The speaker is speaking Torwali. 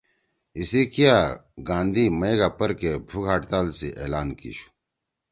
ایِسی سی کیا گاندھی مئگا پرکے بھوک ہڑتال سی اعلان کی شُو